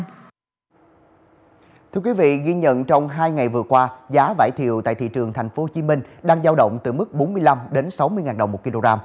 ghi nhận trong hai ngày vừa qua giá vải thiều tại thị trường tp hcm đang giao động từ mức bốn mươi năm sáu mươi đồng một kg